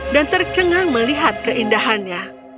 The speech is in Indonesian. dan tercengang melihat keindahannya